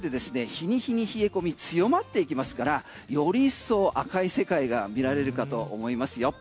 日に日に冷え込み強まっていきますからより一層赤い世界が見られるかと思いますよ。